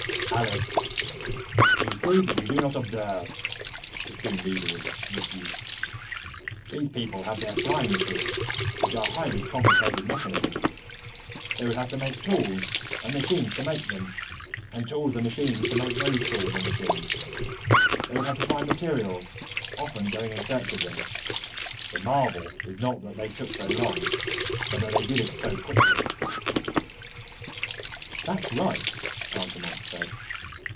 "Alex! You see but you do not observe!" The Toon Leader rebuked. "These people have their flying machines, which are highly complicated mechanisms. They would have to make tools and machines to make them, and tools and machines to make those tools and machines. They would have to find materials, often going in search of them. The marvel is not that they took so long, but that they did it so quickly." "That's right," Altamont said.